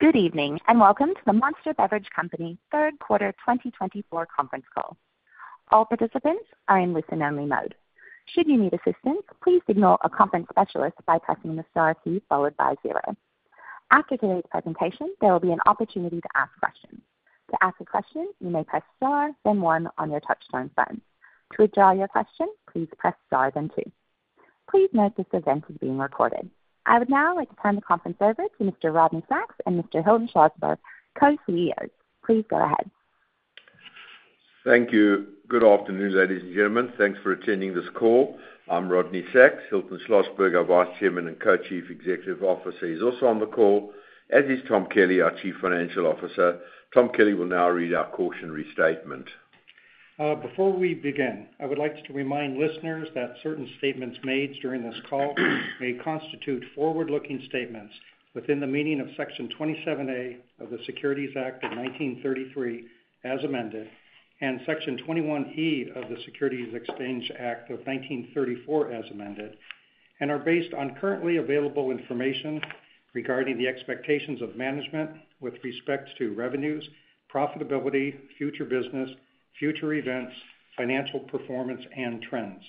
Good evening and welcome to the Monster Beverage Company third quarter 2024 conference call. All participants are in listen-only mode. Should you need assistance, please signal a conference specialist by pressing the star key followed by zero. After today's presentation, there will be an opportunity to ask questions. To ask a question, you may press star, then one on your touch-tone phone. To withdraw your question, please press star, then two. Please note this event is being recorded. I would now like to turn the conference over to Mr. Rodney Sacks and Mr. Hilton Schlosberg, co-CEOs. Please go ahead. Thank you. Good afternoon, ladies and gentlemen. Thanks for attending this call. I'm Rodney Sacks. Hilton Schlosberg, our Vice Chairman and Co-Chief Executive Officer. He's also on the call, as is Tom Kelly, our Chief Financial Officer. Tom Kelly will now read our cautionary statement. Before we begin, I would like to remind listeners that certain statements made during this call may constitute forward-looking statements within the meaning of Section 27A of the Securities Act of 1933, as amended, and Section 21E of the Securities Exchange Act of 1934, as amended, and are based on currently available information regarding the expectations of management with respect to revenues, profitability, future business, future events, financial performance, and trends.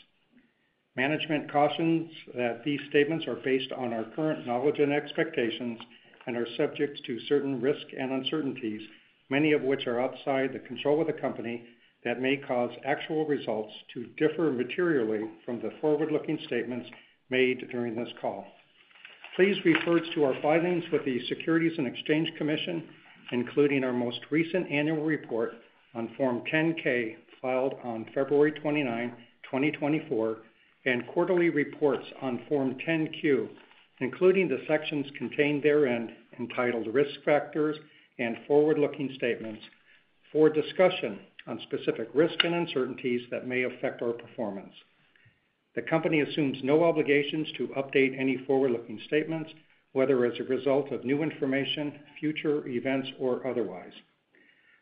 Management cautions that these statements are based on our current knowledge and expectations and are subject to certain risk and uncertainties, many of which are outside the control of the company, that may cause actual results to differ materially from the forward-looking statements made during this call. Please refer to our filings with the Securities and Exchange Commission, including our most recent annual report on Form 10-K filed on February 29, 2024, and quarterly reports on Form 10-Q, including the sections contained therein entitled Risk Factors and Forward-Looking Statements, for discussion on specific risk and uncertainties that may affect our performance. The company assumes no obligations to update any forward-looking statements, whether as a result of new information, future events, or otherwise.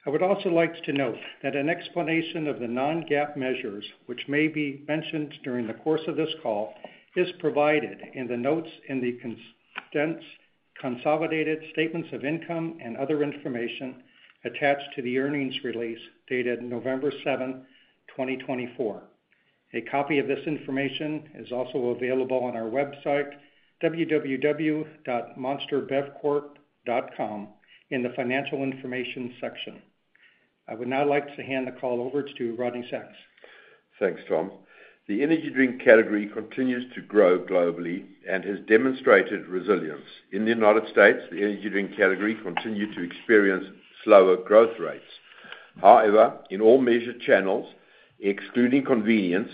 I would also like to note that an explanation of the non-GAAP measures, which may be mentioned during the course of this call, is provided in the notes in the Consolidated Statements of Income and Other Information attached to the earnings release dated November 7, 2024. A copy of this information is also available on our website, www.monsterbevcorp.com, in the Financial Information section. I would now like to hand the call over to Rodney Sacks. Thanks, Tom. The energy drink category continues to grow globally and has demonstrated resilience. In the United States, the energy drink category continued to experience slower growth rates. However, in all measured channels, excluding convenience,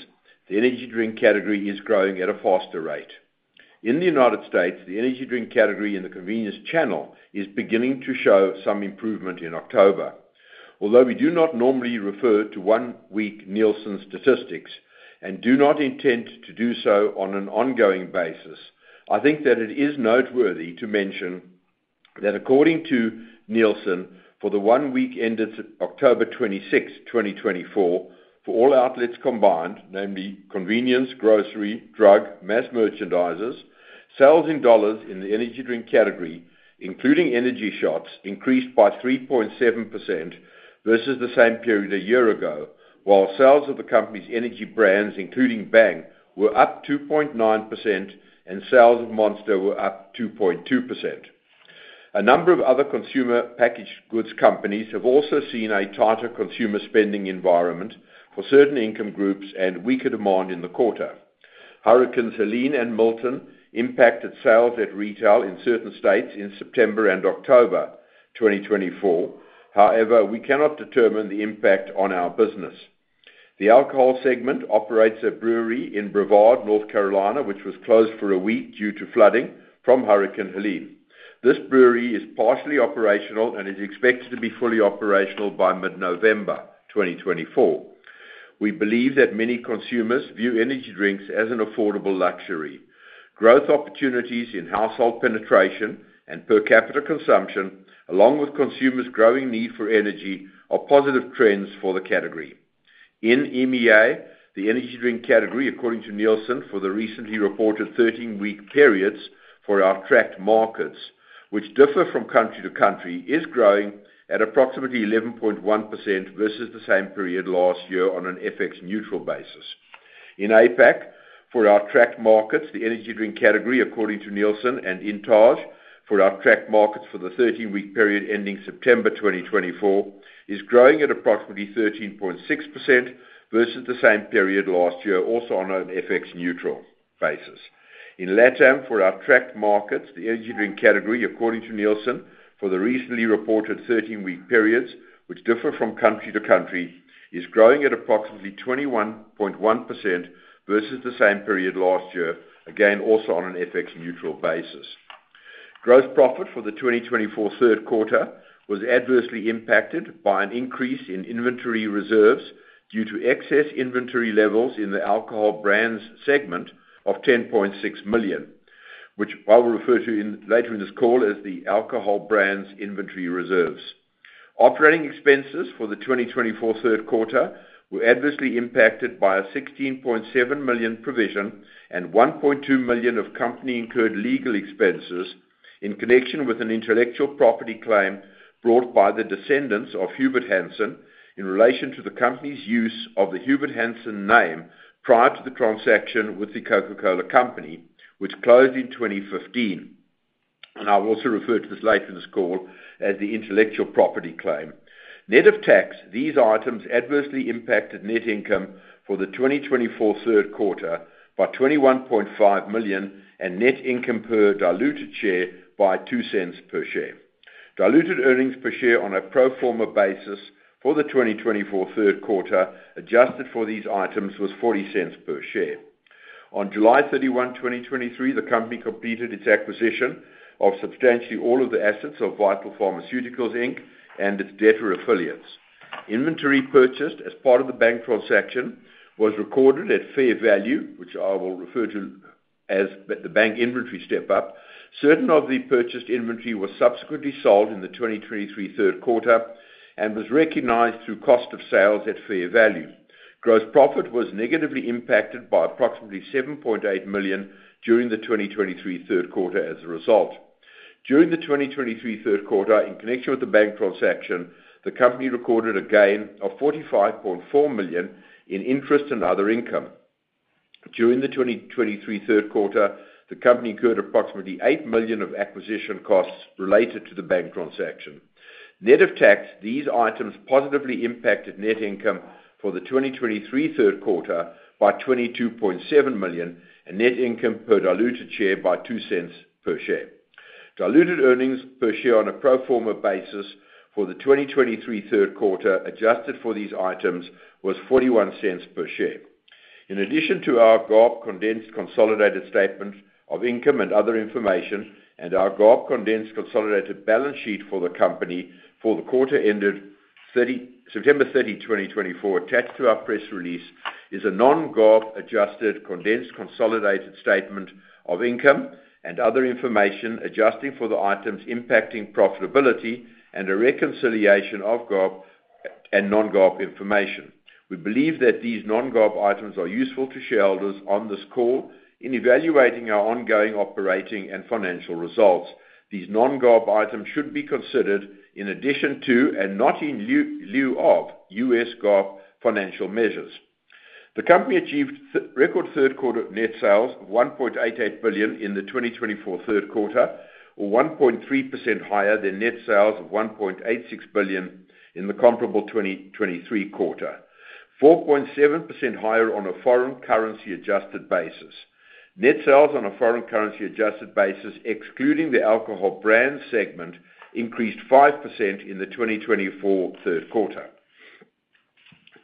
the energy drink category is growing at a faster rate. In the United States, the energy drink category in the convenience channel is beginning to show some improvement in October. Although we do not normally refer to one-week Nielsen statistics and do not intend to do so on an ongoing basis, I think that it is noteworthy to mention that, according to Nielsen, for the one week ended October 26, 2024, for all outlets combined, namely convenience, grocery, drug, and mass merchandisers, sales in dollars in the energy drink category, including energy shots, increased by 3.7% versus the same period a year ago, while sales of the company's energy brands, including Bang, were up 2.9%, and sales of Monster were up 2.2%. A number of other consumer packaged goods companies have also seen a tighter consumer spending environment for certain income groups and weaker demand in the quarter. Hurricanes Helene and Milton impacted sales at retail in certain states in September and October 2024. However, we cannot determine the impact on our business. The alcohol segment operates a brewery in Brevard, North Carolina, which was closed for a week due to flooding from Hurricane Helene. This brewery is partially operational and is expected to be fully operational by mid-November 2024. We believe that many consumers view energy drinks as an affordable luxury. Growth opportunities in household penetration and per capita consumption, along with consumers' growing need for energy, are positive trends for the category. In EMEA, the energy drink category, according to Nielsen, for the recently reported 13-week periods for our tracked markets, which differ from country to country, is growing at approximately 11.1% versus the same period last year on an FX-neutral basis. In APAC, for our tracked markets, the energy drink category, according to Nielsen, and in Intage, for our tracked markets for the 13-week period ending September 2024, is growing at approximately 13.6% versus the same period last year, also on an FX-neutral basis. In LATAM, for our tracked markets, the energy drink category, according to Nielsen, for the recently reported 13-week periods, which differ from country to country, is growing at approximately 21.1% versus the same period last year, again also on an FX-neutral basis. Gross profit for the 2024 third quarter was adversely impacted by an increase in inventory reserves due to excess inventory levels in the alcohol brands segment of $10.6 million, which I will refer to later in this call as the alcohol brands inventory reserves. Operating expenses for the 2024 third quarter were adversely impacted by a $16.7 million provision and $1.2 million of company-incurred legal expenses in connection with an intellectual property claim brought by the descendants of Hubert Hansen in relation to the company's use of the Hubert Hansen name prior to the transaction with the Coca-Cola Company, which closed in 2015. And I will also refer to this later in this call as the intellectual property claim. Net of tax, these items adversely impacted net income for the 2024 third quarter by $21.5 million and net income per diluted share by $0.02 per share. Diluted earnings per share on a pro forma basis for the 2024 third quarter adjusted for these items was $0.40 per share. On July 31, 2023, the company completed its acquisition of substantially all of the assets of Vital Pharmaceuticals Inc. and its debtor affiliates. Inventory purchased as part of the Bang transaction was recorded at fair value, which I will refer to as the Bang inventory step-up. Certain of the purchased inventory was subsequently sold in the 2023 third quarter and was recognized through cost of sales at fair value. Gross profit was negatively impacted by approximately $7.8 million during the 2023 third quarter as a result. During the 2023 third quarter, in connection with the Bang transaction, the company recorded a gain of $45.4 million in interest and other income. During the 2023 third quarter, the company incurred approximately $8 million of acquisition costs related to the Bang transaction. Net of tax, these items positively impacted net income for the 2023 third quarter by $22.7 million and net income per diluted share by $0.02 per share. Diluted earnings per share on a pro forma basis for the 2023 third quarter adjusted for these items was $0.41 per share. In addition to our GAAP Condensed Consolidated Statement of Income and other information and our GAAP Condensed Consolidated Balance Sheet for the company for the quarter ended September 30, 2024, attached to our press release, is a non-GAAP adjusted Condensed Consolidated Statement of Income and other information adjusting for the items impacting profitability and a reconciliation of GAAP and non-GAAP information. We believe that these non-GAAP items are useful to shareholders on this call in evaluating our ongoing operating and financial results. These non-GAAP items should be considered in addition to and not in lieu of U.S. GAAP financial measures. The company achieved record third quarter net sales of $1.88 billion in the 2024 third quarter, or 1.3% higher than net sales of $1.86 billion in the comparable 2023 quarter, 4.7% higher on a foreign currency-adjusted basis. Net sales on a foreign currency-adjusted basis, excluding the alcohol brands segment, increased 5% in the 2024 third quarter.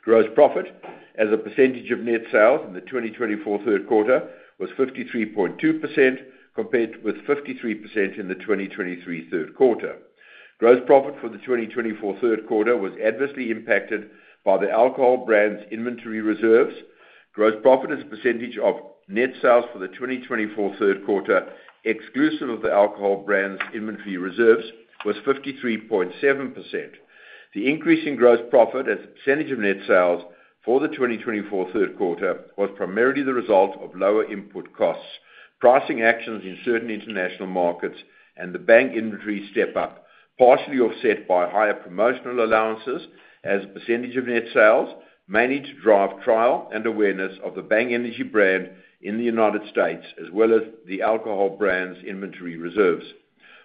Gross profit, as a percentage of net sales in the 2024 third quarter, was 53.2%, compared with 53% in the 2023 third quarter. Gross profit for the 2024 third quarter was adversely impacted by the alcohol brands inventory reserves. Gross profit as a percentage of net sales for the 2024 third quarter, exclusive of the alcohol brands inventory reserves, was 53.7%. The increase in gross profit as a percentage of net sales for the 2024 third quarter was primarily the result of lower input costs, pricing actions in certain international markets, and the Bang inventory step-up, partially offset by higher promotional allowances as a percentage of net sales, mainly to drive trial and awareness of the Bang Energy brand in the United States, as well as the alcohol brands inventory reserves.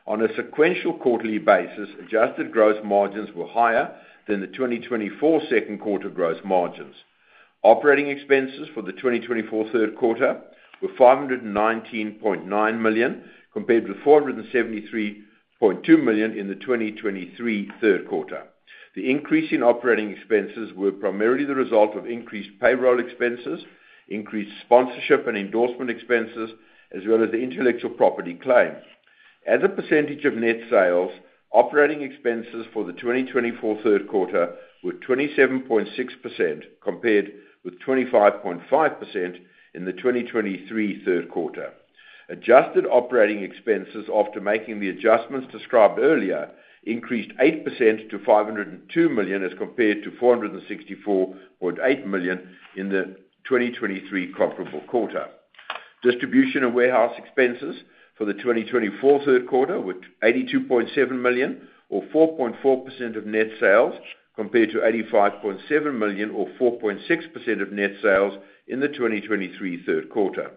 On a sequential quarterly basis, adjusted gross margins were higher than the 2024 second quarter gross margins. Operating expenses for the 2024 third quarter were $519.9 million, compared with $473.2 million in the 2023 third quarter. The increase in operating expenses was primarily the result of increased payroll expenses, increased sponsorship and endorsement expenses, as well as the intellectual property claim. As a percentage of net sales, operating expenses for the 2024 third quarter were 27.6%, compared with 25.5% in the 2023 third quarter. Adjusted operating expenses, after making the adjustments described earlier, increased 8% to $502 million as compared to $464.8 million in the 2023 comparable quarter. Distribution and warehouse expenses for the 2024 third quarter were $82.7 million, or 4.4% of net sales, compared to $85.7 million, or 4.6% of net sales in the 2023 third quarter.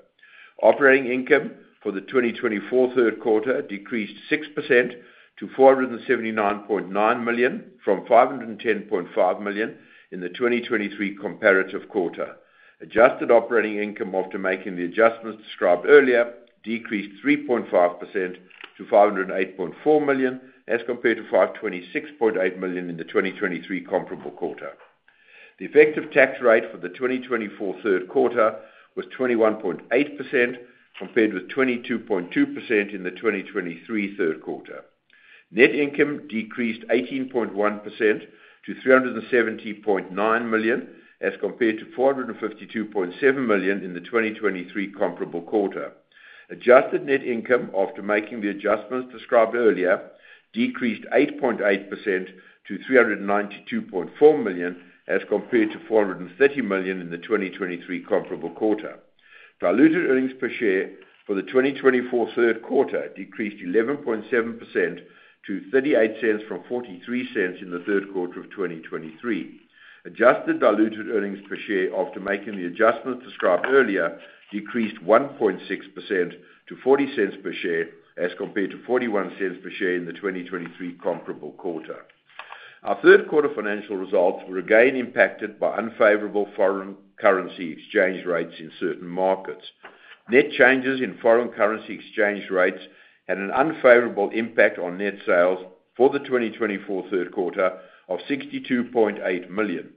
Operating income for the 2024 third quarter decreased 6% to $479.9 million from $510.5 million in the 2023 comparative quarter. Adjusted operating income, after making the adjustments described earlier, decreased 3.5% to $508.4 million as compared to $526.8 million in the 2023 comparable quarter. The effective tax rate for the 2024 third quarter was 21.8%, compared with 22.2% in the 2023 third quarter. Net income decreased 18.1% to $370.9 million as compared to $452.7 million in the 2023 comparable quarter. Adjusted net income, after making the adjustments described earlier, decreased 8.8% to $392.4 million as compared to $430 million in the 2023 comparable quarter. Diluted earnings per share for the 2024 third quarter decreased 11.7% to $0.38 from $0.43 in the third quarter of 2023. Adjusted diluted earnings per share, after making the adjustments described earlier, decreased 1.6% to $0.40 per share as compared to $0.41 per share in the 2023 comparable quarter. Our third quarter financial results were again impacted by unfavorable foreign currency exchange rates in certain markets. Net changes in foreign currency exchange rates had an unfavorable impact on net sales for the 2024 third quarter of $62.8 million.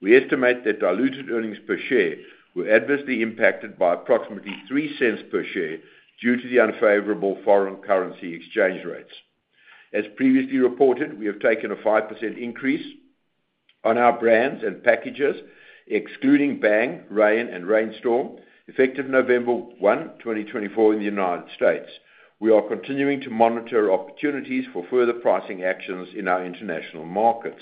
We estimate that diluted earnings per share were adversely impacted by approximately $0.03 per share due to the unfavorable foreign currency exchange rates. As previously reported, we have taken a 5% increase on our brands and packages, excluding Bang, Reign, and Reign Storm, effective November 1, 2024, in the United States. We are continuing to monitor opportunities for further pricing actions in our international markets.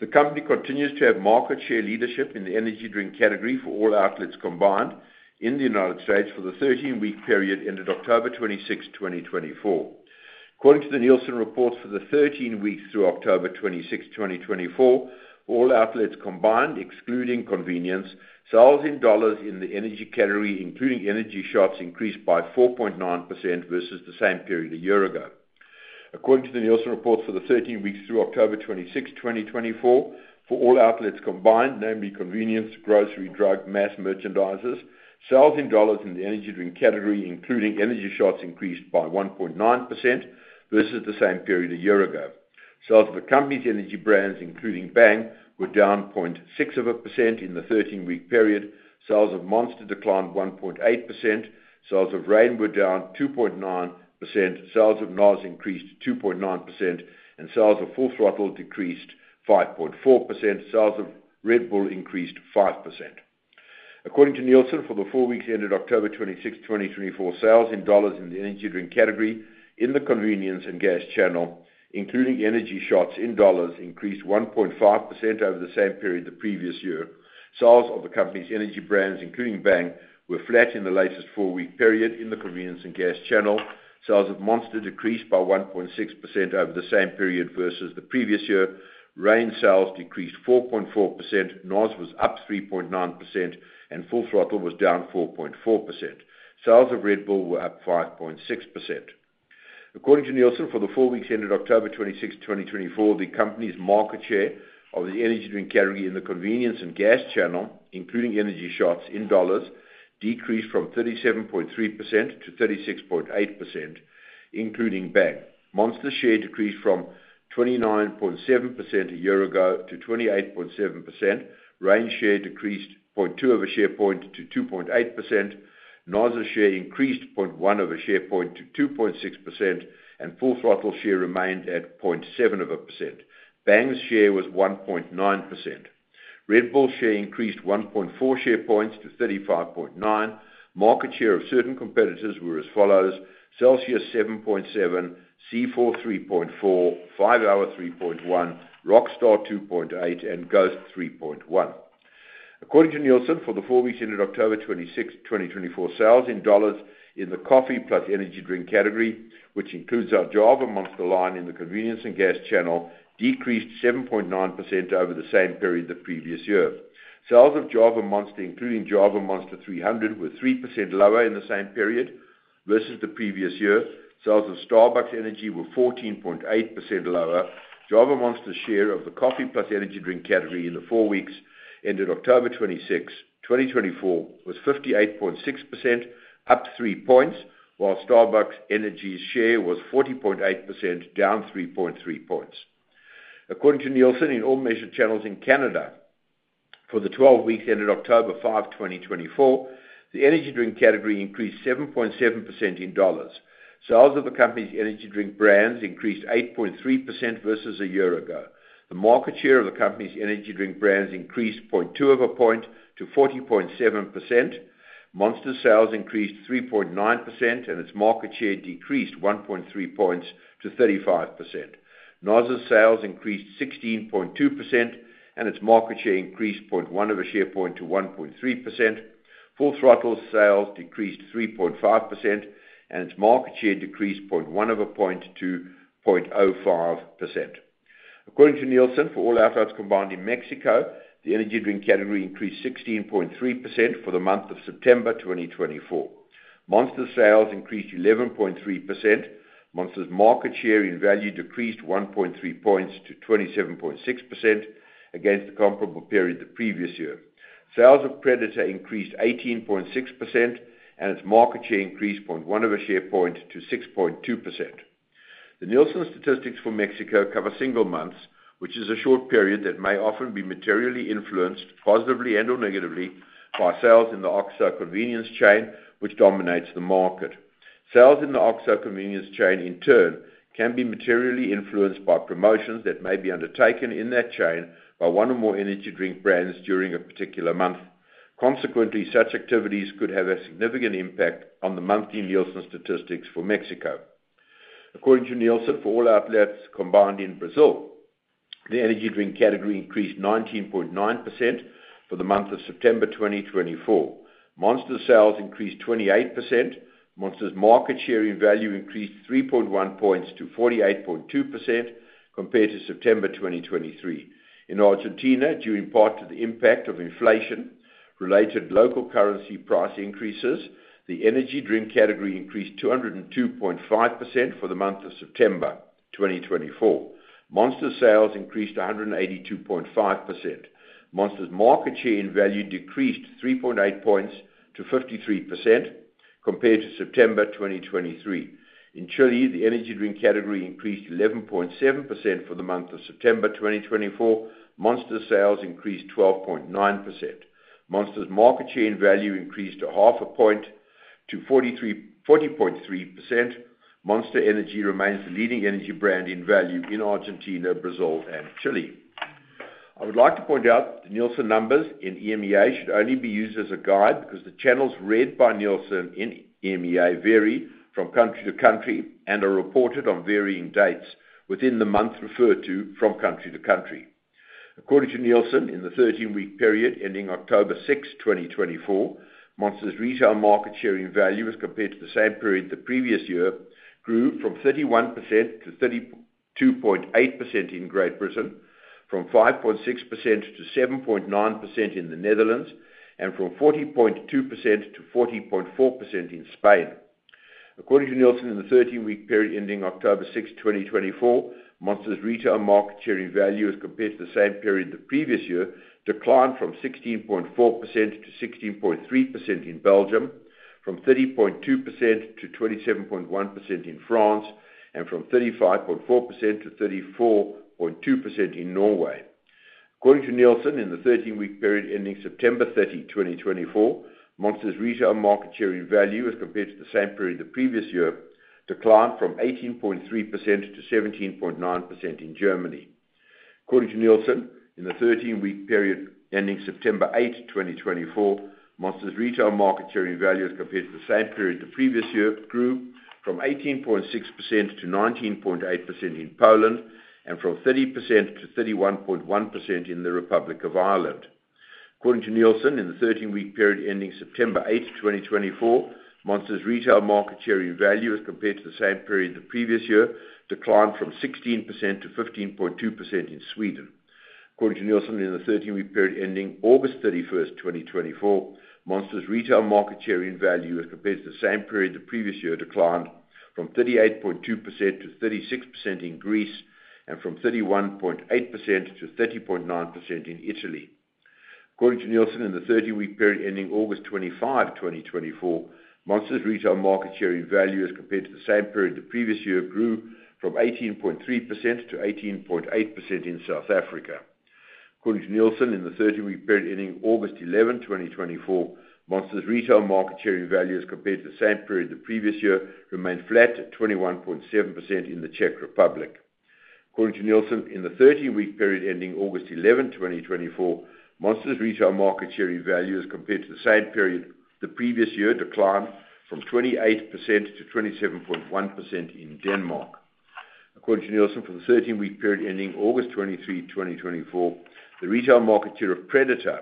The company continues to have market share leadership in the energy drink category for all outlets combined in the United States for the 13-week period ended October 26, 2024. According to the Nielsen report for the 13 weeks through October 26, 2024, all outlets combined, excluding convenience, sales in dollars in the energy category, including energy shots, increased by 4.9% versus the same period a year ago. According to the Nielsen report for the 13 weeks through October 26, 2024, for all outlets combined, namely convenience, grocery, drug, mass merchandisers, sales in dollars in the energy drink category, including energy shots, increased by 1.9% versus the same period a year ago. Sales of the company's energy brands, including Bang, were down 0.6% in the 13-week period. Sales of Monster declined 1.8%. Sales of Reign were down 2.9%. Sales of NOS increased 2.9%, and sales of Full Throttle decreased 5.4%. Sales of Red Bull increased 5%. According to Nielsen, for the four weeks ended October 26, 2024, sales in dollars in the energy drink category in the convenience and gas channel, including energy shots in dollars, increased 1.5% over the same period the previous year. Sales of the company's energy brands, including Bang, were flat in the latest four-week period in the convenience and gas channel. Sales of Monster decreased by 1.6% over the same period versus the previous year. Reign sales decreased 4.4%. NOS was up 3.9%, and Full Throttle was down 4.4%. Sales of Red Bull were up 5.6%. According to Nielsen, for the four weeks ended October 26, 2024, the company's market share of the energy drink category in the convenience and gas channel, including energy shots in dollars, decreased from 37.3% to 36.8%, including Bang. Monster's share decreased from 29.7% a year ago to 28.7%. Reign's share decreased 0.2 of a share point to 2.8%. NOS's share increased 0.1 of a share point to 2.6%, and Full Throttle's share remained at 0.7%. Bang's share was 1.9%. Red Bull's share increased 1.4 share points to 35.9. Market share of certain competitors were as follows: Celsius 7.7, C4 3.4, 5-hour 3.1, Rockstar 2.8, and Ghost 3.1. According to Nielsen, for the four weeks ended October 26, 2024, sales in dollars in the coffee plus energy drink category, which includes our Java Monster line in the convenience and gas channel, decreased 7.9% over the same period the previous year. Sales of Java Monster, including Java Monster 300, were 3% lower in the same period versus the previous year. Sales of Starbucks Energy were 14.8% lower. Java Monster's share of the coffee plus energy drink category in the four weeks ended October 26, 2024, was 58.6%, up 3 points, while Starbucks Energy's share was 40.8%, down 3.3 points. According to Nielsen, in all measured channels in Canada, for the 12 weeks ended October 5, 2024, the energy drink category increased 7.7% in dollars. Sales of the company's energy drink brands increased 8.3% versus a year ago. The market share of the company's energy drink brands increased 0.2 of a point to 40.7%. Monster's sales increased 3.9%, and its market share decreased 1.3 points to 35%. NOS's sales increased 16.2%, and its market share increased 0.1 of a share point to 1.3%. Full Throttle's sales decreased 3.5%, and its market share decreased 0.1 of a point to 0.05%. According to Nielsen, for all outlets combined in Mexico, the energy drink category increased 16.3% for the month of September 2024. Monster's sales increased 11.3%. Monster's market share in value decreased 1.3 points to 27.6% against the comparable period the previous year. Sales of Predator increased 18.6%, and its market share increased 0.1 of a share point to 6.2%. The Nielsen statistics for Mexico cover single months, which is a short period that may often be materially influenced, positively and/or negatively, by sales in the OXXO convenience chain, which dominates the market. Sales in the OXXO convenience chain, in turn, can be materially influenced by promotions that may be undertaken in that chain by one or more energy drink brands during a particular month. Consequently, such activities could have a significant impact on the monthly Nielsen statistics for Mexico. According to Nielsen, for all outlets combined in Brazil, the energy drink category increased 19.9% for the month of September 2024. Monster's sales increased 28%. Monster's market share in value increased 3.1 points to 48.2% compared to September 2023. In Argentina, due in part to the impact of inflation-related local currency price increases, the energy drink category increased 202.5% for the month of September 2024. Monster's sales increased 182.5%. Monster's market share in value decreased 3.8 points to 53% compared to September 2023. In Chile, the energy drink category increased 11.7% for the month of September 2024. Monster's sales increased 12.9%. Monster's market share in value increased 0.5 points to 40.3%. Monster Energy remains the leading energy brand in value in Argentina, Brazil, and Chile. I would like to point out that the Nielsen numbers in EMEA should only be used as a guide because the channels read by Nielsen in EMEA vary from country to country and are reported on varying dates within the month referred to from country to country. According to Nielsen, in the 13-week period ending October 6, 2024, Monster's retail market share in value, as compared to the same period the previous year, grew from 31% to 32.8% in Great Britain, from 5.6% to 7.9% in the Netherlands, and from 40.2% to 40.4% in Spain. According to Nielsen, in the 13-week period ending October 6, 2024, Monster's retail market share in value, as compared to the same period the previous year, declined from 16.4% to 16.3% in Belgium, from 30.2% to 27.1% in France, and from 35.4% to 34.2% in Norway. According to Nielsen, in the 13-week period ending September 30, 2024, Monster's retail market share in value, as compared to the same period the previous year, declined from 18.3% to 17.9% in Germany. According to Nielsen, in the 13-week period ending September 8, 2024, Monster's retail market share in value, as compared to the same period the previous year, grew from 18.6% to 19.8% in Poland and from 30% to 31.1% in the Republic of Ireland. According to Nielsen, in the 13-week period ending September 8, 2024, Monster's retail market share in value, as compared to the same period the previous year, declined from 16% to 15.2% in Sweden. According to Nielsen, in the 13-week period ending August 31, 2024, Monster's retail market share in value, as compared to the same period the previous year, declined from 38.2% to 36% in Greece and from 31.8% to 30.9% in Italy. According to Nielsen, in the 13-week period ending August 25, 2024, Monster's retail market share in value, as compared to the same period the previous year, grew from 18.3% to 18.8% in South Africa. According to Nielsen, in the 13-week period ending August 11, 2024, Monster's retail market share in value, as compared to the same period the previous year, remained flat at 21.7% in the Czech Republic. According to Nielsen, in the 13-week period ending August 11, 2024, Monster's retail market share in value, as compared to the same period the previous year, declined from 28% to 27.1% in Denmark. According to Nielsen, for the 13-week period ending August 23, 2024, the retail market share of Predator,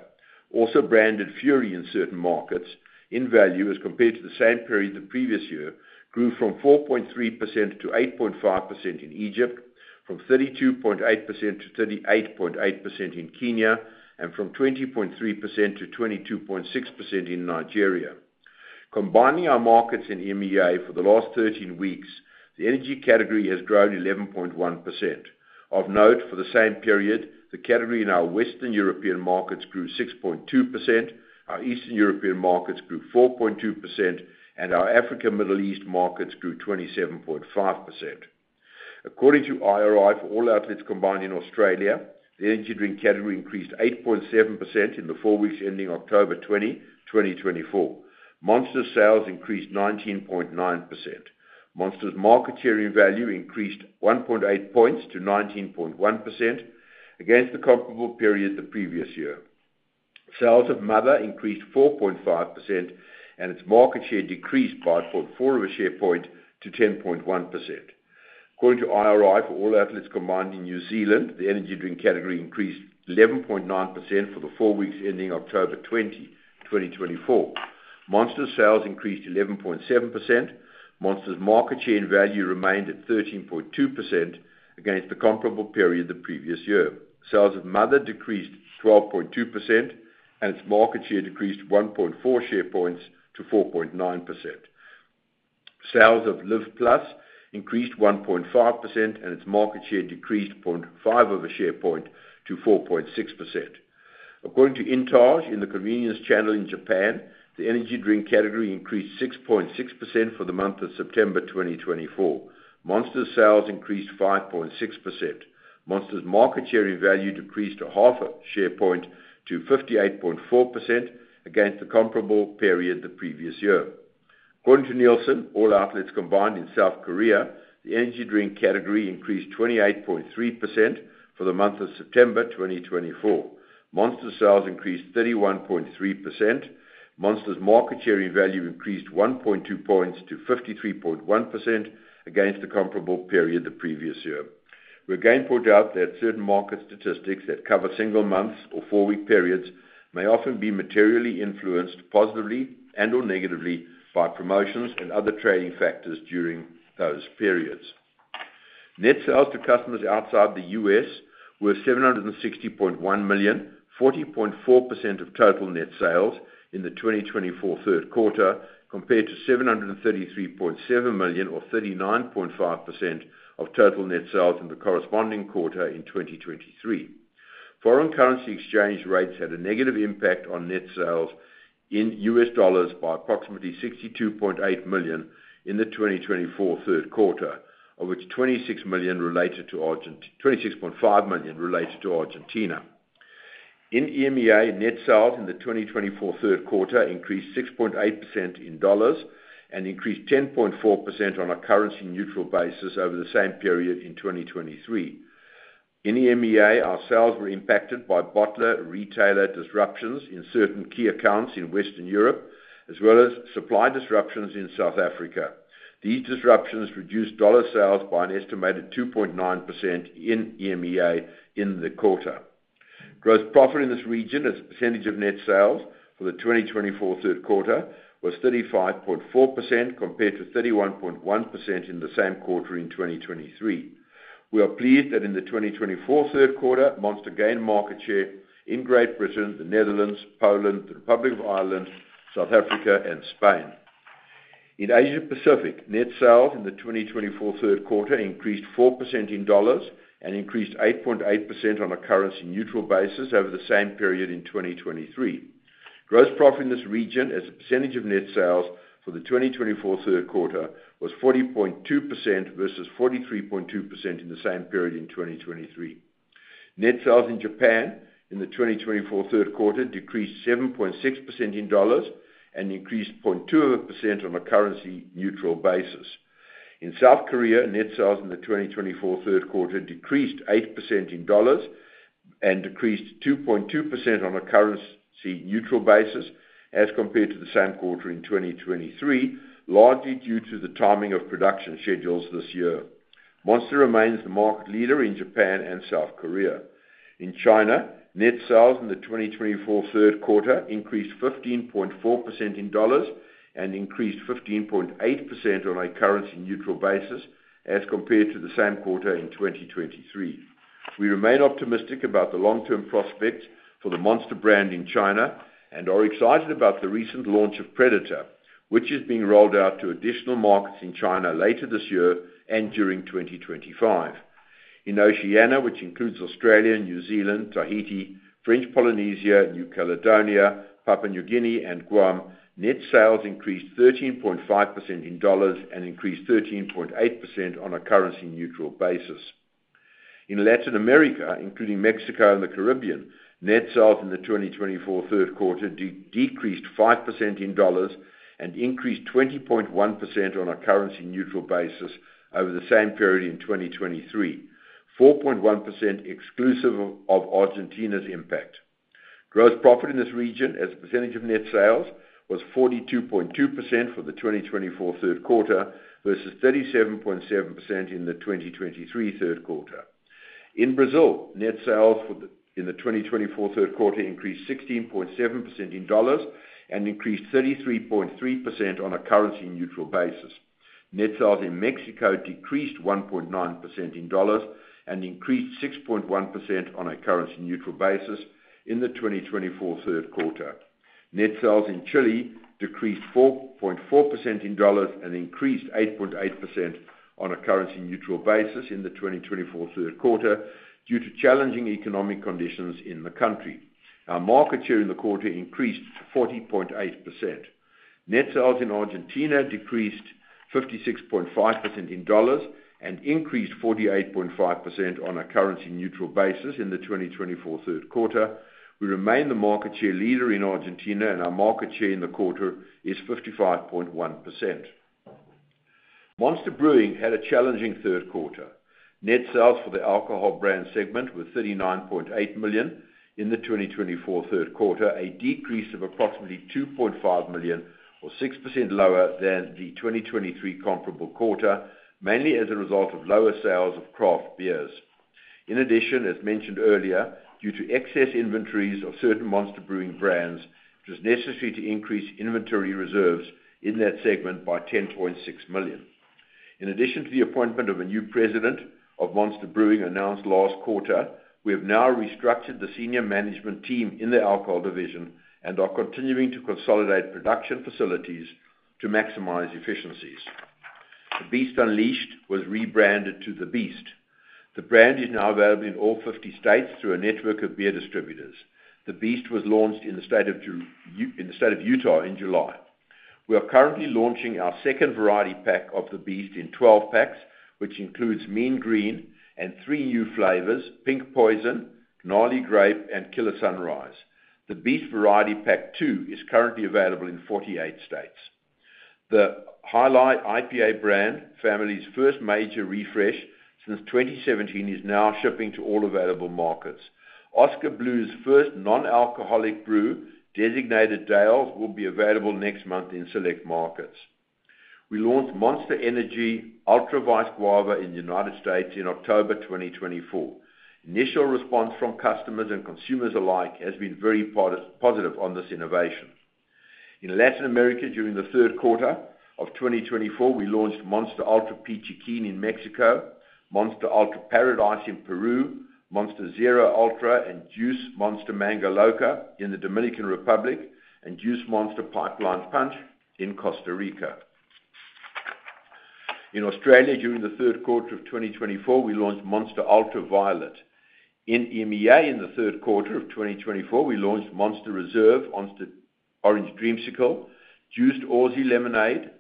also branded Fury in certain markets, in value, as compared to the same period the previous year, grew from 4.3% to 8.5% in Egypt, from 32.8% to 38.8% in Kenya, and from 20.3% to 22.6% in Nigeria. Combining our markets in EMEA for the last 13 weeks, the energy category has grown 11.1%. Of note, for the same period, the category in our Western European markets grew 6.2%, our Eastern European markets grew 4.2%, and our Africa-Middle East markets grew 27.5%. According to IRI for all outlets combined in Australia, the energy drink category increased 8.7% in the four weeks ending October 20, 2024. Monster's sales increased 19.9%. Monster's market share in value increased 1.8 points to 19.1% against the comparable period the previous year. Sales of Mother increased 4.5%, and its market share decreased by 0.4 of a share point to 10.1%. According to IRI for all outlets combined in New Zealand, the energy drink category increased 11.9% for the four weeks ending October 20, 2024. Monster's sales increased 11.7%. Monster's market share in value remained at 13.2% against the comparable period the previous year. Sales of Mother decreased 12.2%, and its market share decreased 1.4 share points to 4.9%. Sales of Live+ increased 1.5%, and its market share decreased 0.5 share points to 4.6%. According to Intage, in the convenience channel in Japan, the energy drink category increased 6.6% for the month of September 2024. Monster's sales increased 5.6%. Monster's market share in value decreased half a share point to 58.4% against the comparable period the previous year. According to Nielsen, all outlets combined in South Korea, the energy drink category increased 28.3% for the month of September 2024. Monster's sales increased 31.3%. Monster's market share in value increased 1.2 points to 53.1% against the comparable period the previous year. We again point out that certain market statistics that cover single months or four-week periods may often be materially influenced positively and/or negatively by promotions and other trading factors during those periods. Net sales to customers outside the U.S. were $760.1 million, 40.4% of total net sales in the 2024 third quarter, compared to $733.7 million or 39.5% of total net sales in the corresponding quarter in 2023. Foreign currency exchange rates had a negative impact on net sales in U.S. dollars by approximately $62.8 million in the 2024 third quarter, of which $26.5 million related to Argentina. In EMEA, net sales in the 2024 third quarter increased 6.8% in dollars and increased 10.4% on a currency-neutral basis over the same period in 2023. In EMEA, our sales were impacted by bottler retailer disruptions in certain key accounts in Western Europe, as well as supply disruptions in South Africa. These disruptions reduced dollar sales by an estimated 2.9% in EMEA in the quarter. Gross profit in this region, as a percentage of net sales for the 2024 third quarter, was 35.4% compared to 31.1% in the same quarter in 2023. We are pleased that in the 2024 third quarter, Monster gained market share in Great Britain, the Netherlands, Poland, the Republic of Ireland, South Africa, and Spain. In Asia Pacific, net sales in the 2024 third quarter increased 4% in dollars and increased 8.8% on a currency-neutral basis over the same period in 2023. Gross profit in this region, as a percentage of net sales for the 2024 third quarter, was 40.2% versus 43.2% in the same period in 2023. Net sales in Japan in the 2024 third quarter decreased 7.6% in dollars and increased 0.2% on a currency-neutral basis. In South Korea, net sales in the 2024 third quarter decreased 8% in dollars and decreased 2.2% on a currency-neutral basis, as compared to the same quarter in 2023, largely due to the timing of production schedules this year. Monster remains the market leader in Japan and South Korea. In China, net sales in the 2024 third quarter increased 15.4% in dollars and increased 15.8% on a currency-neutral basis, as compared to the same quarter in 2023. We remain optimistic about the long-term prospects for the Monster brand in China and are excited about the recent launch of Predator, which is being rolled out to additional markets in China later this year and during 2025. In Oceania, which includes Australia, New Zealand, Tahiti, French Polynesia, New Caledonia, Papua New Guinea, and Guam, net sales increased 13.5% in dollars and increased 13.8% on a currency-neutral basis. In Latin America, including Mexico and the Caribbean, net sales in the 2024 third quarter decreased 5% in dollars and increased 20.1% on a currency-neutral basis over the same period in 2023, 4.1% exclusive of Argentina's impact. Gross profit in this region, as a percentage of net sales, was 42.2% for the 2024 third quarter versus 37.7% in the 2023 third quarter. In Brazil, net sales in the 2024 third quarter increased 16.7% in dollars and increased 33.3% on a currency-neutral basis. Net sales in Mexico decreased 1.9% in dollars and increased 6.1% on a currency-neutral basis in the 2024 third quarter. Net sales in Chile decreased 4.4% in dollars and increased 8.8% on a currency-neutral basis in the 2024 third quarter due to challenging economic conditions in the country. Our market share in the quarter increased 40.8%. Net sales in Argentina decreased 56.5% in dollars and increased 48.5% on a currency-neutral basis in the 2024 third quarter. We remain the market share leader in Argentina, and our market share in the quarter is 55.1%. Monster Brewing had a challenging third quarter. Net sales for the alcohol brand segment were $39.8 million in the 2024 third quarter, a decrease of approximately $2.5 million, or 6% lower than the 2023 comparable quarter, mainly as a result of lower sales of craft beers. In addition, as mentioned earlier, due to excess inventories of certain Monster Brewing brands, it was necessary to increase inventory reserves in that segment by $10.6 million. In addition to the appointment of a new president of Monster Brewing announced last quarter, we have now restructured the senior management team in the alcohol division and are continuing to consolidate production facilities to maximize efficiencies. The Beast Unleashed was rebranded to The Beast. The brand is now available in all 50 states through a network of beer distributors. The Beast was launched in the state of Utah in July. We are currently launching our second variety pack of The Beast in 12 packs, which includes Mean Green and three new flavors: Pink Poison, Gnarly Grape, and Killer Sunrise. The Beast variety pack two is currently available in 48 states. The Jai Alai IPA brand family's first major refresh since 2017 is now shipping to all available markets. Oskar Blues's first non-alcoholic brew, Designated Dale's, will be available next month in select markets. We launched Monster Energy Ultra Vice Guava in the United States in October 2024. Initial response from customers and consumers alike has been very positive on this innovation. In Latin America, during the third quarter of 2024, we launched Monster Ultra Peachy Keen in Mexico, Monster Ultra Paradise in Peru, Monster Zero Ultra and Monster Juiced Mango Loco in the Dominican Republic, and Monster Juiced Pipeline Punch in Costa Rica. In Australia, during the third quarter of 2024, we launched Monster Ultra Violet. In EMEA, in the third quarter of 2024, we launched Monster Reserve, Monster Reserve Orange Dreamsicle, Monster Juiced Aussie Lemonade, Monster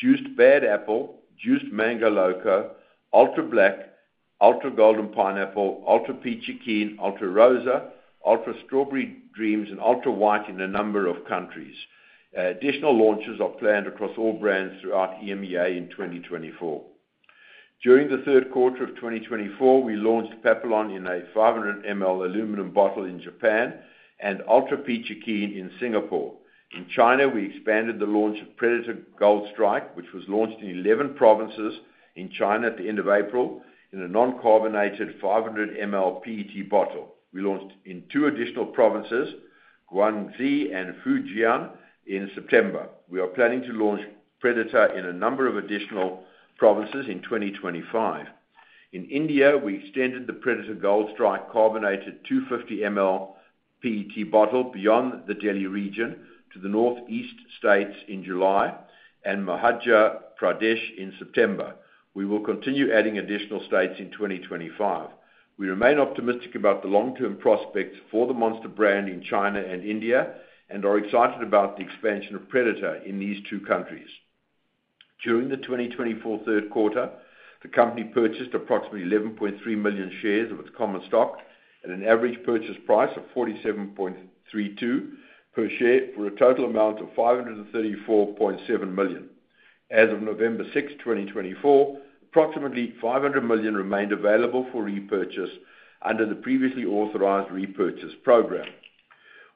Juiced Bad Apple, Monster Juiced Mango Loco, Monster Ultra Black, Monster Energy Ultra Golden Pineapple, Monster Ultra Peachy Keen, Monster Ultra Rosa, Monster Ultra Strawberry Dreams, and Monster Ultra White in a number of countries. Additional launches are planned across all brands throughout EMEA in 2024. During the third quarter of 2024, we launched Monster Juiced Papillon in a 500 ml aluminum bottle in Japan and Monster Ultra Peachy Keen in Singapore. In China, we expanded the launch of Predator Gold Strike, which was launched in 11 provinces in China at the end of April in a non-carbonated 500 ml PET bottle. We launched in two additional provinces, Guangxi and Fujian, in September. We are planning to launch Predator in a number of additional provinces in 2025. In India, we extended the Predator Gold Strike carbonated 250 ml PET bottle beyond the Delhi region to the northeast states in July and Madhya Pradesh in September. We will continue adding additional states in 2025. We remain optimistic about the long-term prospects for the Monster brand in China and India and are excited about the expansion of Predator in these two countries. During the 2024 third quarter, the company purchased approximately 11.3 million shares of its common stock at an average purchase price of $47.32 per share for a total amount of $534.7 million. As of November 6, 2024, approximately $500 million remained available for repurchase under the previously authorized repurchase program.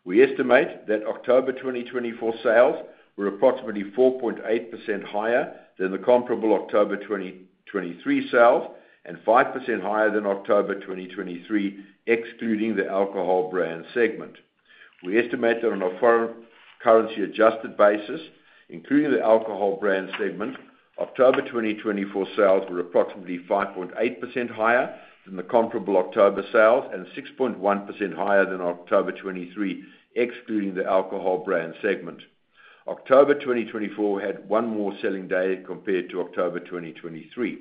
We estimate that October 2024 sales were approximately 4.8% higher than the comparable October 2023 sales and 5% higher than October 2023, excluding the alcohol brand segment. We estimate that on a foreign currency-adjusted basis, including the alcohol brand segment, October 2024 sales were approximately 5.8% higher than the comparable October sales and 6.1% higher than October 2023, excluding the alcohol brand segment. October 2024 had one more selling day compared to October 2023.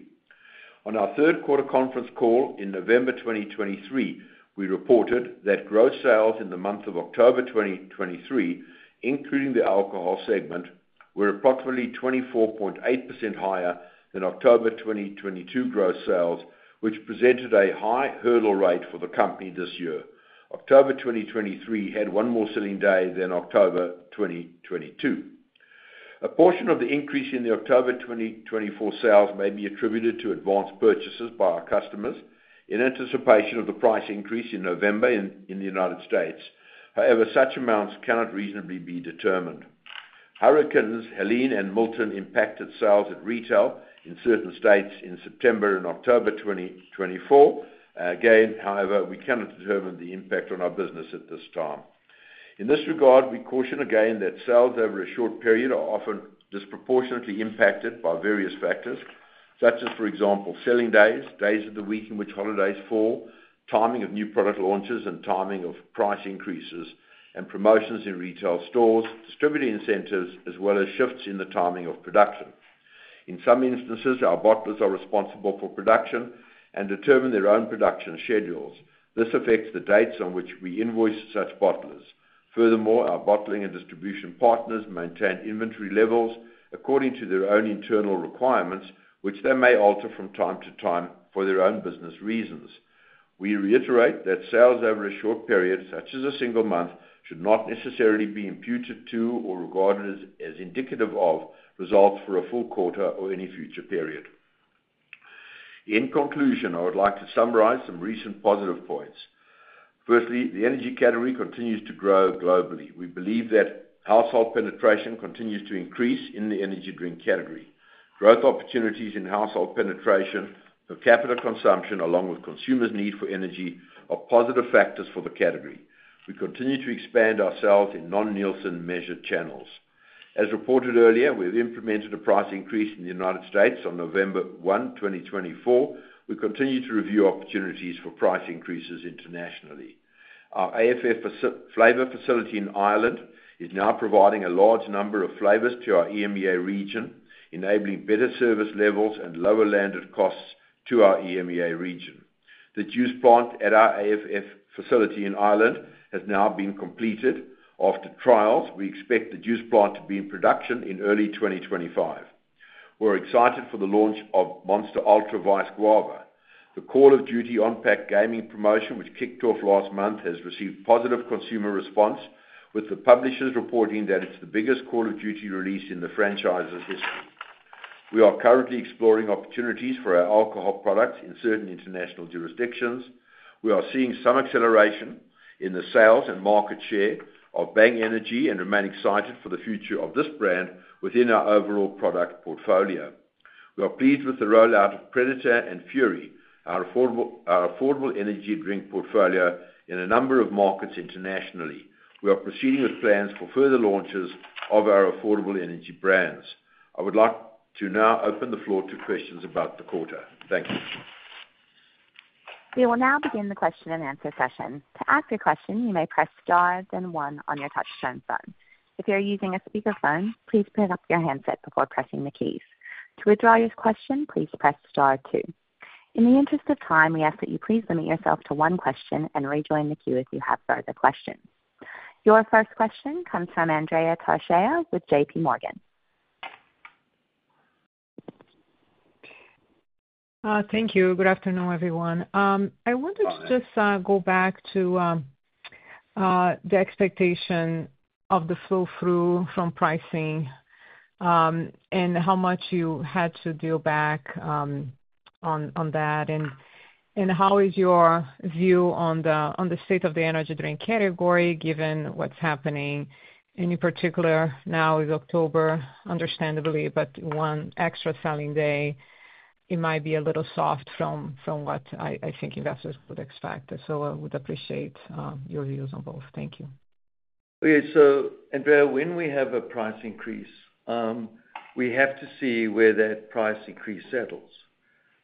On our third quarter conference call in November 2023, we reported that gross sales in the month of October 2023, including the alcohol segment, were approximately 24.8% higher than October 2022 gross sales, which presented a high hurdle rate for the company this year. October 2023 had one more selling day than October 2022. A portion of the increase in the October 2024 sales may be attributed to advanced purchases by our customers in anticipation of the price increase in November in the United States. However, such amounts cannot reasonably be determined. Hurricanes Helene and Milton impacted sales at retail in certain states in September and October 2024. Again, however, we cannot determine the impact on our business at this time. In this regard, we caution again that sales over a short period are often disproportionately impacted by various factors, such as, for example, selling days, days of the week in which holidays fall, timing of new product launches and timing of price increases, and promotions in retail stores, distributor incentives, as well as shifts in the timing of production. In some instances, our bottlers are responsible for production and determine their own production schedules. This affects the dates on which we invoice such bottlers. Furthermore, our bottling and distribution partners maintain inventory levels according to their own internal requirements, which they may alter from time to time for their own business reasons. We reiterate that sales over a short period, such as a single month, should not necessarily be imputed to or regarded as indicative of results for a full quarter or any future period. In conclusion, I would like to summarize some recent positive points. Firstly, the energy category continues to grow globally. We believe that household penetration continues to increase in the energy drink category. Growth opportunities in household penetration, per capita consumption, along with consumers' need for energy, are positive factors for the category. We continue to expand our sales in non-Nielsen measured channels. As reported earlier, we have implemented a price increase in the United States on November 1, 2024. We continue to review opportunities for price increases internationally. Our AFF Flavor Facility in Ireland is now providing a large number of flavors to our EMEA region, enabling better service levels and lower landed costs to our EMEA region. The juice plant at our AFF Facility in Ireland has now been completed. After trials, we expect the juice plant to be in production in early 2025. We're excited for the launch of Monster Ultra Vice Guava. The Call of Duty on-pack gaming promotion, which kicked off last month, has received positive consumer response, with the publishers reporting that it's the biggest Call of Duty release in the franchise's history. We are currently exploring opportunities for our alcohol products in certain international jurisdictions. We are seeing some acceleration in the sales and market share of Bang Energy and remain excited for the future of this brand within our overall product portfolio. We are pleased with the rollout of Predator and Fury, our affordable energy drink portfolio, in a number of markets internationally. We are proceeding with plans for further launches of our affordable energy brands. I would like to now open the floor to questions about the quarter. Thank you. We will now begin the question and answer session. To ask a question, you may press star one on your touch-tone phone. If you're using a speakerphone, please pick up your handset before pressing the keys. To withdraw your question, please press star two. In the interest of time, we ask that you please limit yourself to one question and rejoin the queue if you have further questions. Your first question comes from Andrea Teixeira with J.P. Morgan. Thank you. Good afternoon, everyone. I wanted to just go back to the expectation of the flow-through from pricing and how much you had to deal back on that and how is your view on the state of the energy drink category given what's happening? In particular, now is October, understandably, but one extra selling day. It might be a little soft from what I think investors would expect. I would appreciate your views on both. Thank you. Okay. So, Andrea, when we have a price increase, we have to see where that price increase settles.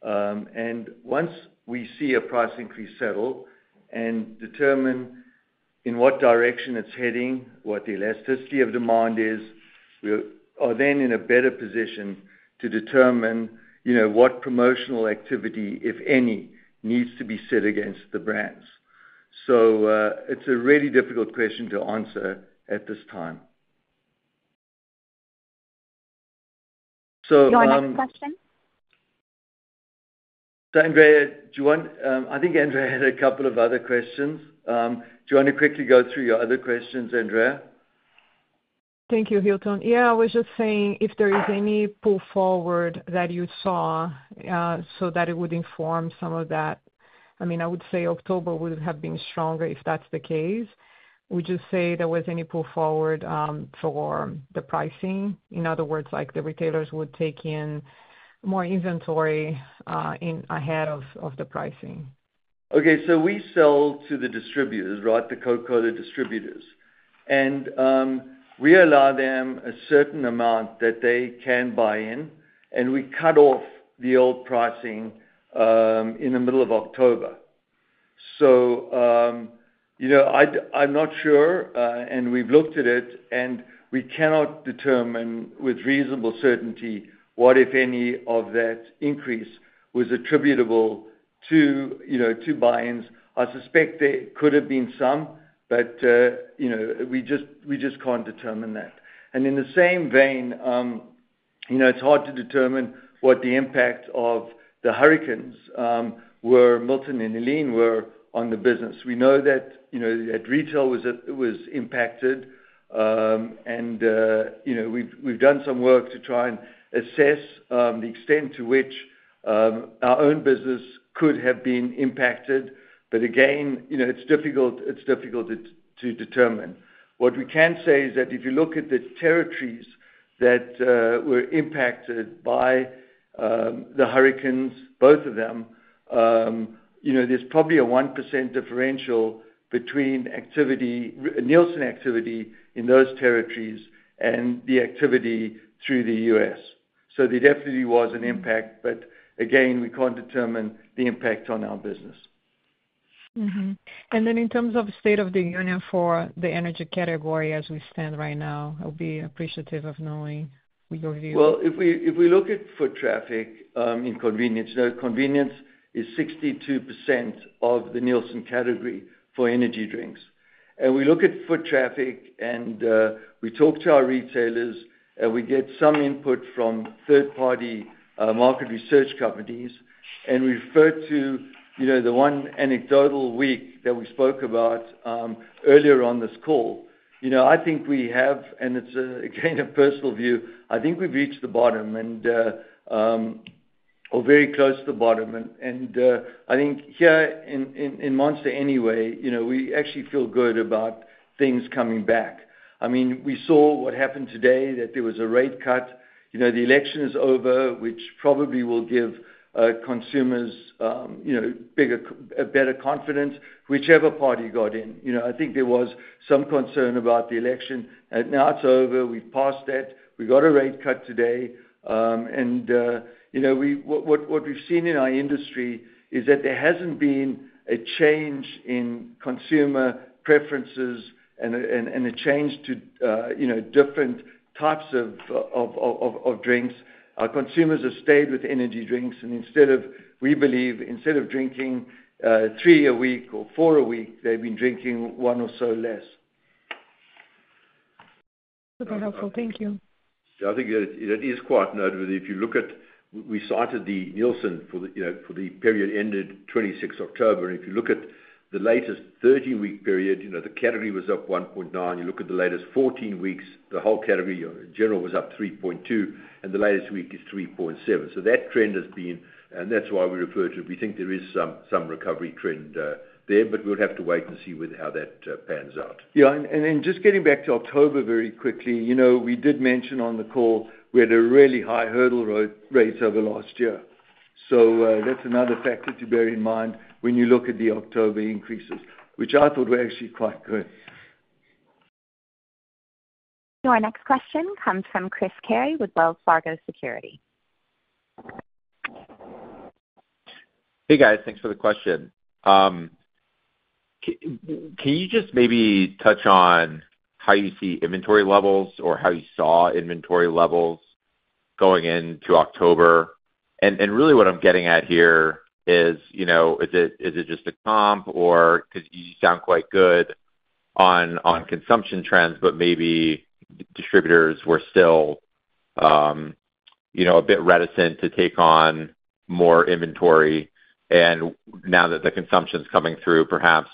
And once we see a price increase settle and determine in what direction it's heading, what the elasticity of demand is, we are then in a better position to determine what promotional activity, if any, needs to be set against the brands. It's a really difficult question to answer at this time. So. Our next question. So, Andrea, I think Andrea had a couple of other questions. Do you want to quickly go through your other questions, Andrea? Thank you, Hilton. Yeah, I was just saying if there is any pull forward that you saw so that it would inform some of that. I mean, I would say October would have been stronger if that's the case. Would you say there was any pull forward for the pricing? In other words, the retailers would take in more inventory ahead of the pricing. Okay. So we sell to the distributors, right, the Coca-Cola distributors. And we allow them a certain amount that they can buy in, and we cut off the old pricing in the middle of October. So I'm not sure, and we've looked at it, and we cannot determine with reasonable certainty what, if any, of that increase was attributable to buy-ins. I suspect there could have been some, but we just can't determine that. And in the same vein, it's hard to determine what the impact of the hurricanes, Hurricane Milton and Hurricane Helene, were on the business. We know that retail was impacted, and we've done some work to try and assess the extent to which our own business could have been impacted. But again, it's difficult to determine. What we can say is that if you look at the territories that were impacted by the hurricanes, both of them, there's probably a 1% differential between activity, Nielsen activity in those territories and the activity through the U.S. So there definitely was an impact, but again, we can't determine the impact on our business. And then in terms of state of the union for the energy category as we stand right now, I'll be appreciative of knowing your view. If we look at foot traffic in convenience, convenience is 62% of the Nielsen category for energy drinks. We look at foot traffic, and we talk to our retailers, and we get some input from third-party market research companies. We refer to the one anecdotal week that we spoke about earlier on this call. I think we have, and it's again a personal view, I think we've reached the bottom or very close to the bottom. I think here in Monster anyway, we actually feel good about things coming back. I mean, we saw what happened today, that there was a rate cut. The election is over, which probably will give consumers a better confidence, whichever party got in. I think there was some concern about the election. Now it's over. We've passed that. We got a rate cut today. What we've seen in our industry is that there hasn't been a change in consumer preferences and a change to different types of drinks. Our consumers have stayed with energy drinks, and instead of, we believe, instead of drinking three a week or four a week, they've been drinking one or so less. Super helpful. Thank you. Yeah, I think that is quite notable if you look at we cited the Nielsen for the period ended 26 October. If you look at the latest 13-week period, the category was up 1.9%. You look at the latest 14 weeks, the whole category in general was up 3.2%, and the latest week is 3.7%. So that trend has been, and that's why we refer to it. We think there is some recovery trend there, but we'll have to wait and see how that pans out. Yeah. And just getting back to October very quickly, we did mention on the call we had a really high hurdle rate over last year. So that's another factor to bear in mind when you look at the October increases, which I thought were actually quite good. So our next question comes from Chris Carey with Wells Fargo Securities. Hey, guys. Thanks for the question. Can you just maybe touch on how you see inventory levels or how you saw inventory levels going into October? And really what I'm getting at here is, is it just a comp or because you sound quite good on consumption trends, but maybe distributors were still a bit reticent to take on more inventory. And now that the consumption's coming through, perhaps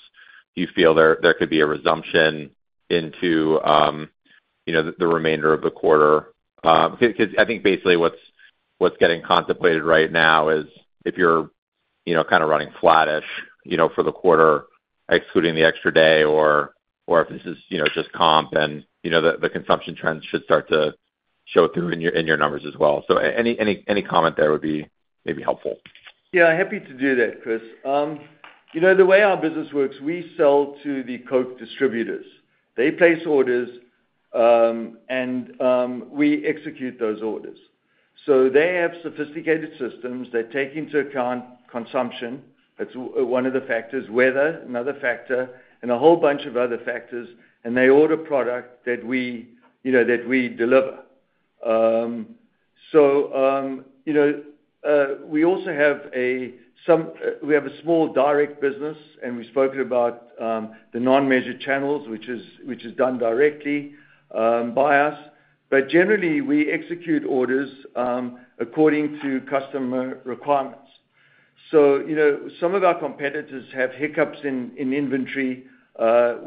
you feel there could be a resumption into the remainder of the quarter. Because I think basically what's getting contemplated right now is if you're kind of running flattish for the quarter, excluding the extra day, or if this is just comp, then the consumption trends should start to show through in your numbers as well. So any comment there would be maybe helpful. Yeah. Happy to do that, Chris. The way our business works, we sell to the Coke distributors. They place orders, and we execute those orders. So they have sophisticated systems. They take into account consumption. That's one of the factors, weather, another factor, and a whole bunch of other factors. And they order product that we deliver. So we also have a small direct business, and we've spoken about the non-measured channels, which is done directly by us. But generally, we execute orders according to customer requirements. So some of our competitors have hiccups in inventory. Our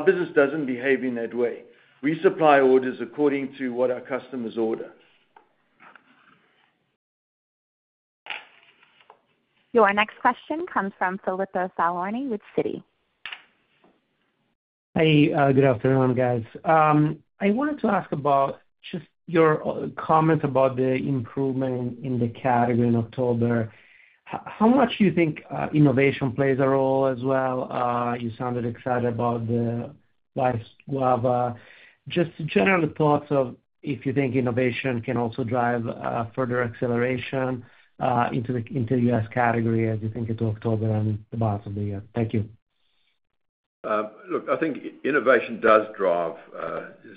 business doesn't behave in that way. We supply orders according to what our customers order. So our next question comes from Filippo Falorni with Citi. Hey. Good afternoon, guys. I wanted to ask about just your comments about the improvement in the category in October. How much do you think innovation plays a role as well? You sounded excited about the Vice Guava. Just general thoughts of if you think innovation can also drive further acceleration into the U.S. category as you think into October and the balance of the year. Thank you. Look, I think innovation does drive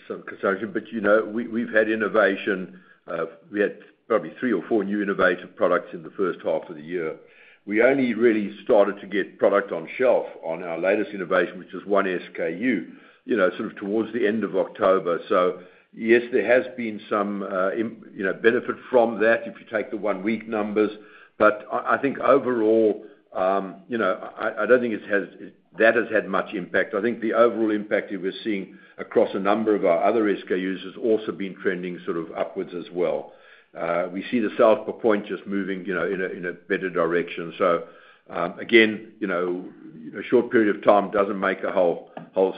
some consumption, but we've had innovation. We had probably three or four new innovative products in the first half of the year. We only really started to get product on shelf on our latest innovation, which is one SKU, sort of towards the end of October. So yes, there has been some benefit from that if you take the one-week numbers. But I think overall, I don't think that has had much impact. I think the overall impact that we're seeing across a number of our other SKUs has also been trending sort of upwards as well. We see the sales per point just moving in a better direction. So again, a short period of time doesn't make a whole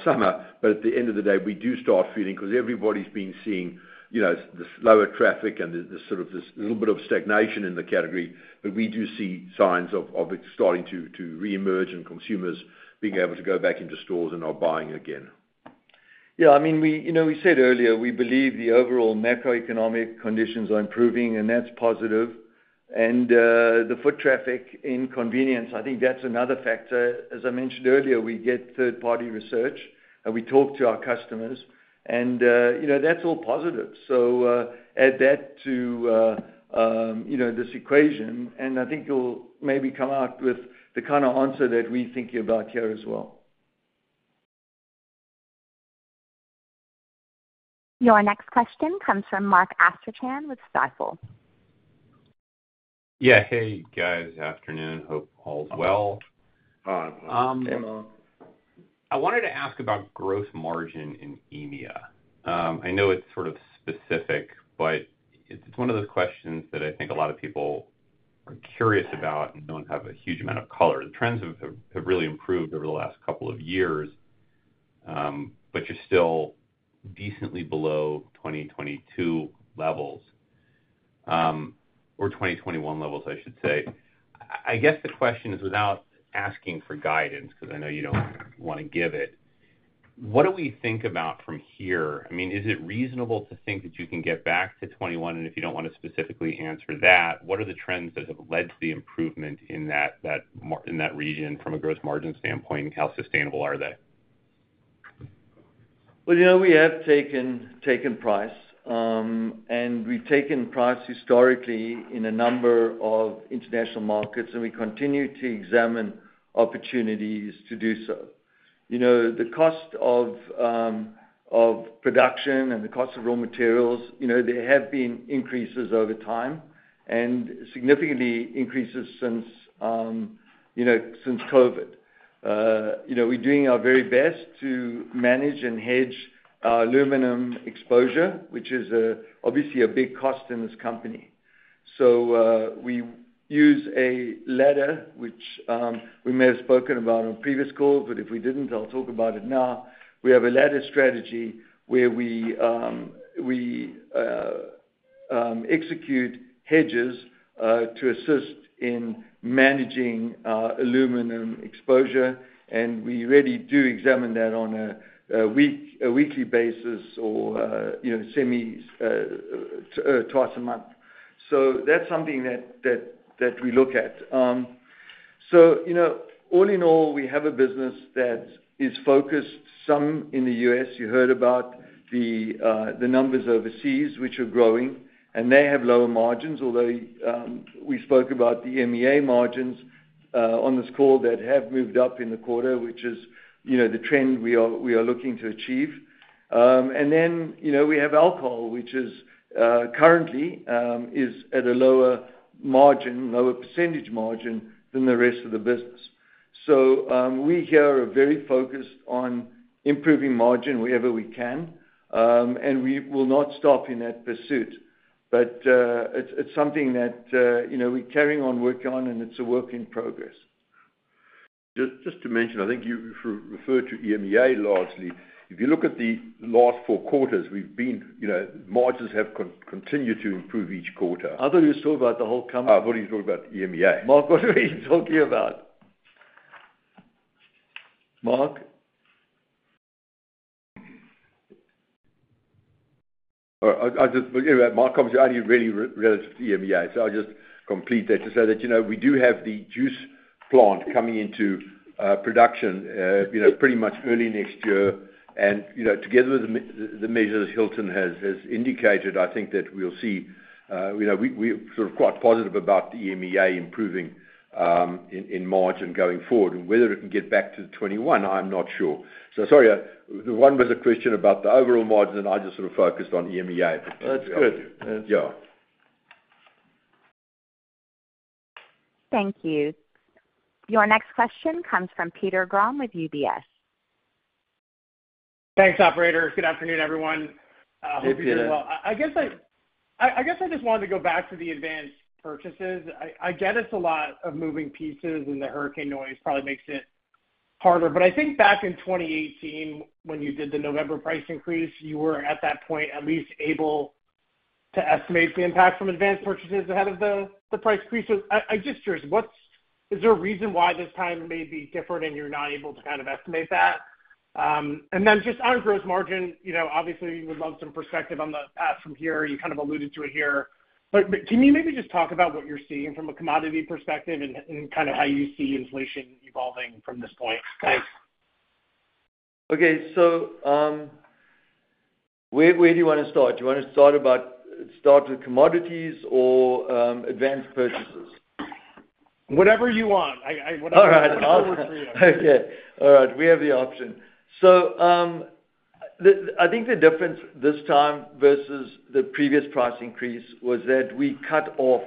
summer. But at the end of the day, we do start feeling because everybody's been seeing the slower traffic and sort of this little bit of stagnation in the category. But we do see signs of it starting to reemerge, and consumers being able to go back into stores and are buying again. Yeah. I mean, we said earlier, we believe the overall macroeconomic conditions are improving, and that's positive. And the foot traffic in convenience, I think that's another factor. As I mentioned earlier, we get third-party research, and we talk to our customers. And that's all positive. So add that to this equation, and I think you'll maybe come out with the kind of answer that we're thinking about here as well. Your next question comes from Mark Astrachan with Stifel. Yeah. Hey, guys. Afternoon. Hope all well. Hi. Hi, Mark. I wanted to ask about gross margin in EMEA. I know it's sort of specific, but it's one of those questions that I think a lot of people are curious about and don't have a huge amount of color. The trends have really improved over the last couple of years, but you're still decently below 2022 levels or 2021 levels, I should say. I guess the question is, without asking for guidance, because I know you don't want to give it, what do we think about from here? I mean, is it reasonable to think that you can get back to 2021? And if you don't want to specifically answer that, what are the trends that have led to the improvement in that region from a gross margin standpoint? How sustainable are they? Well, we have taken price, and we've taken price historically in a number of international markets, and we continue to examine opportunities to do so. The cost of production and the cost of raw materials, there have been increases over time and significantly increases since COVID. We're doing our very best to manage and hedge aluminum exposure, which is obviously a big cost in this company. So we use a ladder, which we may have spoken about on previous calls, but if we didn't, I'll talk about it now. We have a ladder strategy where we execute hedges to assist in managing aluminum exposure, and we really do examine that on a weekly basis or twice a month. So that's something that we look at. So all in all, we have a business that is focused some in the U.S. You heard about the numbers overseas, which are growing, and they have lower margins, although we spoke about the EMEA margins on this call that have moved up in the quarter, which is the trend we are looking to achieve. And then we have alcohol, which currently is at a lower margin, lower percentage margin than the rest of the business. So we here are very focused on improving margin wherever we can, and we will not stop in that pursuit. But it's something that we're carrying on working on, and it's a work in progress. Just to mention, I think you referred to EMEA largely. If you look at the last four quarters, we've seen margins have continued to improve each quarter. I thought you were talking about the whole company. I thought you were talking about EMEA. Mark, what are you talking about? Mark? Anyway, my comments only really relative to EMEA, so I'll just complete that to say that we do have the juice plant coming into production pretty much early next year. And together with the measures Hilton has indicated, I think that we'll see. We're sort of quite positive about the EMEA improving in margin going forward. And whether it can get back to 2021, I'm not sure. So sorry, the one was a question about the overall margin, and I just sort of focused on EMEA. That's good. Yeah. Thank you. Your next question comes from Peter Grom with UBS. Thanks, operators. Good afternoon, everyone. Hope you're doing well. I guess I just wanted to go back to the advanced purchases. I get it's a lot of moving pieces, and the hurricane noise probably makes it harder. But I think back in 2018, when you did the November price increase, you were at that point at least able to estimate the impact from advanced purchases ahead of the price increase. So I'm just curious, is there a reason why this time may be different and you're not able to kind of estimate that? And then just on gross margin, obviously, we would love some perspective on the path from here. You kind of alluded to it here. But can you maybe just talk about what you're seeing from a commodity perspective and kind of how you see inflation evolving from this point? Thanks. Okay. So where do you want to start? Do you want to start with commodities or advanced purchases? Whatever you want. All right. I'll work for you. Okay. All right. We have the option. So I think the difference this time versus the previous price increase was that we cut off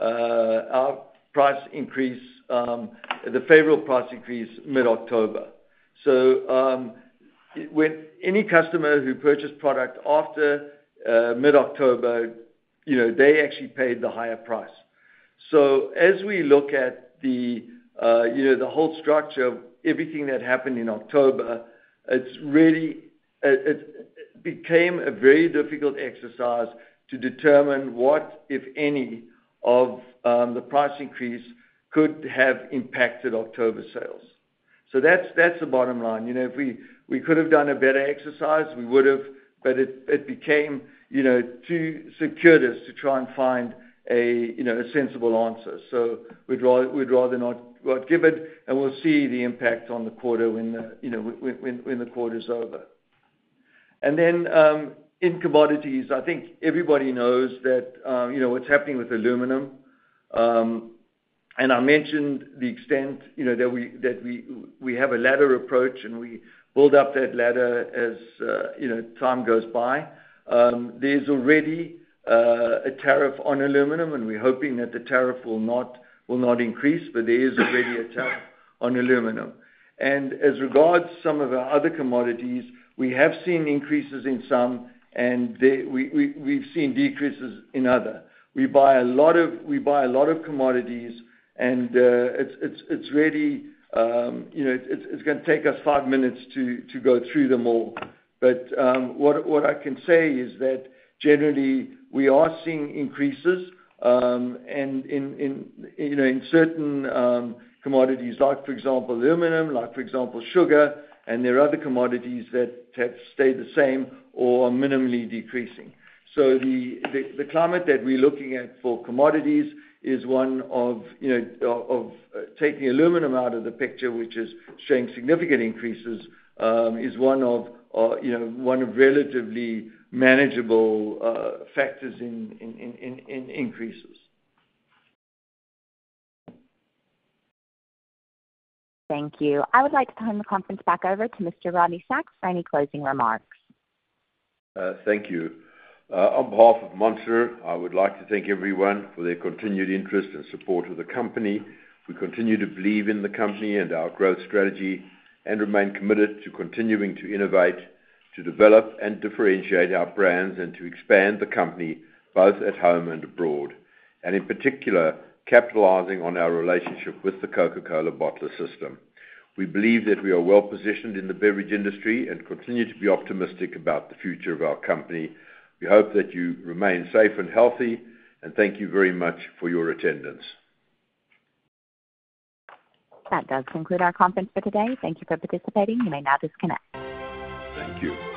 our price increase, the favorable price increase mid-October. So any customer who purchased product after mid-October, they actually paid the higher price. As we look at the whole structure of everything that happened in October, it became a very difficult exercise to determine what, if any, of the price increase could have impacted October sales. So that's the bottom line. We could have done a better exercise. We would have, but it became too precarious to try and find a sensible answer. So we'd rather not give it, and we'll see the impact on the quarter when the quarter's over. And then in commodities, I think everybody knows that what's happening with aluminum. And I mentioned the extent that we have an aluminum ladder approach, and we build up that ladder as time goes by. There's already a tariff on aluminum, and we're hoping that the tariff will not increase, but there is already a tariff on aluminum. As regards some of our other commodities, we have seen increases in some, and we've seen decreases in other. We buy a lot of commodities, and it's going to take us five minutes to go through them all. But what I can say is that generally, we are seeing increases in certain commodities, like for example, aluminum, like for example, sugar, and there are other commodities that have stayed the same or are minimally decreasing. So the climate that we're looking at for commodities is one of taking aluminum out of the picture, which is showing significant increases, is one of relatively manageable factors in increases. Thank you. I would like to turn the conference back over to Mr. Rodney Sacks for any closing remarks. Thank you. On behalf of Monster, I would like to thank everyone for their continued interest and support of the company. We continue to believe in the company and our growth strategy and remain committed to continuing to innovate, to develop and differentiate our brands, and to expand the company both at home and abroad, and in particular, capitalizing on our relationship with the Coca-Cola bottler system. We believe that we are well positioned in the beverage industry and continue to be optimistic about the future of our company. We hope that you remain safe and healthy, and thank you very much for your attendance. That does conclude our conference for today. Thank you for participating. You may now disconnect. Thank you.